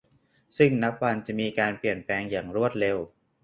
ซึ่งนับวันจะมีการเปลี่ยนแปลงอย่างรวดเร็ว